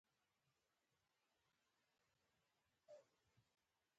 د بدخشان په یمګان کې د قیمتي ډبرو نښې دي.